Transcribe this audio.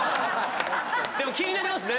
でも気になりますね。